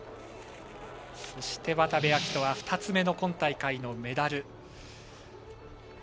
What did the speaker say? そして、渡部暁斗は２つ目の今大会のメダル。